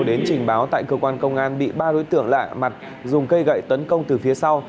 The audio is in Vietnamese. đến trình báo tại cơ quan công an bị ba đối tượng lạ mặt dùng cây gậy tấn công từ phía sau